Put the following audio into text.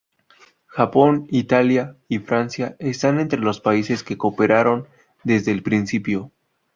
Japón, Italia y Francia están entre los países que cooperaron desde el principio.